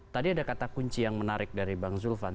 tadi ada kata kunci yang menarik dari bang zulfan